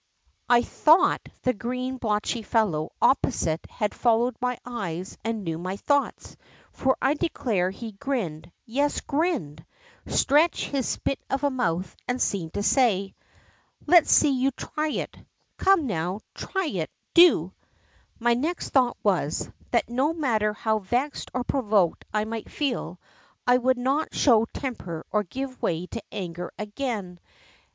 I thought the green, blotchy fellow opposite had followed my eyes and knew my thoughts, for I declare he grinned, yes, grinned ! Stretched his split of a mouth and seemed to say :^ Let's see you try it ! Come now, try it, do !' My next thought was, that no matter how vexed or provoked I might feel, I would not show temper or give way to anger again.